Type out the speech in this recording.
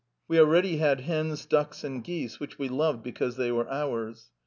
We already had chickens and ducks and geese which we loved because they were ours.